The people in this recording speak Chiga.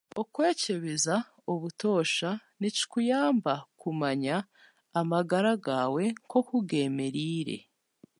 Okwekyebeza obutoosha nikikuyamba kumanya amagara gaawe nk'oku geemereire